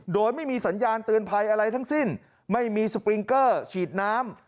โดยไม่มีสัญญาณเตือนภัยอะไรทั้งสิ้นไม่มีสปริงเกอร์ฉีดน้ำ